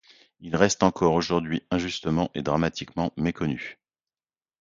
Il reste encore aujourd'hui injustement et dramatiquement méconnu.